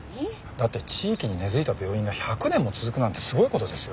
だって地域に根付いた病院が１００年も続くなんてすごい事ですよ。